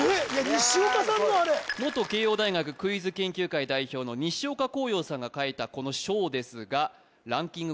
西岡さんのあれ元慶應大学クイズ研究会代表の西岡広洋さんが書いたこの「顳」ですがランキング